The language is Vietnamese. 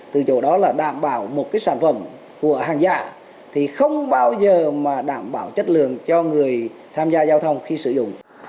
từ chỗ đó là đảm bảo một cái sản phẩm của hàng giả thì không bao giờ mà đảm bảo chất lượng cho người tham gia giao thông khi sử dụng